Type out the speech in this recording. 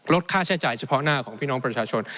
ค่าใช้จ่ายเฉพาะหน้าของพี่น้องประชาชน